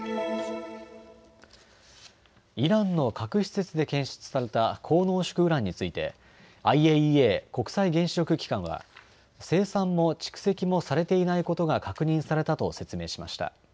イランの核施設で検出された高濃縮ウランについて、ＩＡＥＡ・国際原子力機関は生産も蓄積もされていないことが確認されたと説明しました。